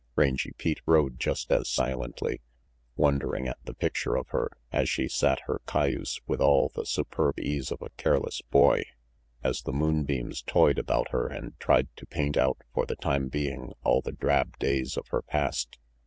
Rangy Pete rode just as silently, wondering at the picture of her, as she sat her cayuse with all the superb ease of a careless boy, as the moonbeams toyed about her and tried to paint out for the time being all the drab days of her past.